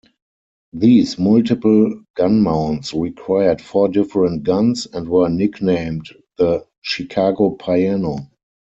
These multiple gun mounts required four different guns and were nicknamed the "Chicago Piano".